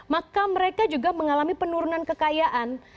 maka mereka juga mengalami penurunan kekayaan